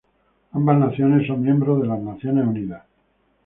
Ambas naciones son miembros de las Naciones Unidas.